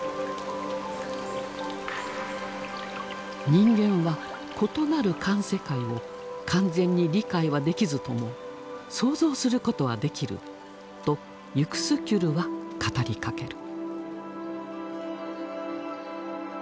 「人間は異なる環世界を完全に理解はできずとも想像することはできる」とユクスキュルは語りかける。